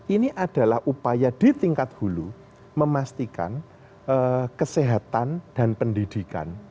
ini adalah upaya di tingkat hulu memastikan kesehatan dan pendidikan